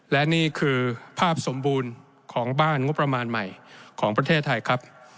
และนี่คือภาพสมบูรณ์ของบ้านงบประมาณใหม่ของประเทศไทยครับ